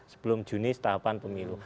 sebelum juni setahapan pemilu